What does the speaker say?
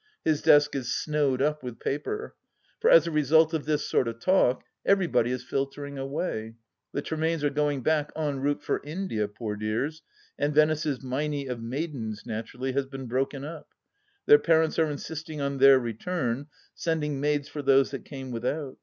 His desk is snowed up with paper. For, as a result of this sort of talk, everybody is filtering away. The Tremaines are going back, en route for India, poor dears ! and Venice's Meinie of maidens, naturally, has been broken up; their parents are insisting on their return, sending maids for those that came without.